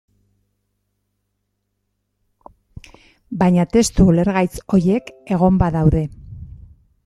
Baina testu ulergaitz horiek egon badaude.